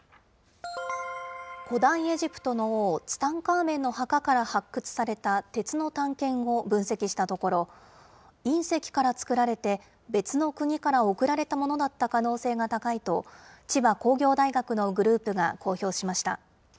古代エジプトの王、ツタンカーメンの墓から発掘された鉄の短剣を分析したところ、隕石から作られて、別の国から贈られた物だった可能性が高いと、千葉工業大学のグループが公表しました。